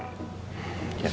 aku juga bukan pelakor